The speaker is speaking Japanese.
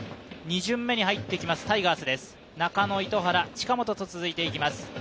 ２巡目に入ってきます、タイガースです。